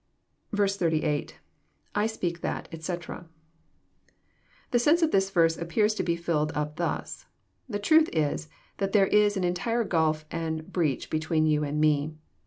SS. — [I speak that^ etc."] The sense of this verse appears to be filled up thus: <'The truth is, that there is an entire gulf and breach between you and Me.